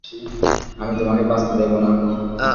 আমি তোমাকে বাঁচতে দেব না।